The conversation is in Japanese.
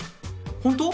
本当？